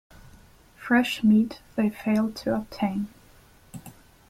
Fresh meat they failed to obtain.